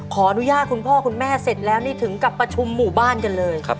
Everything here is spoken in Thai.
ขออนุญาตคุณพ่อคุณแม่เสร็จแล้วนี่ถึงกับประชุมหมู่บ้านกันเลย